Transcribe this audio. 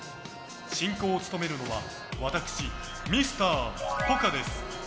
進行を務めるのは私、Ｍｒ．ポカです。